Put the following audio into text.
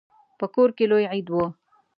په کور کې لوی عید و.